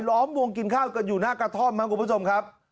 ล้อมวงกินข้าวกันอยู่หน้ากระท่อมครับคุณผู้ชมครับ